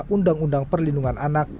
undang undang perlindungan anak